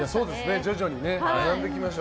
徐々にね、学んでいきましょう。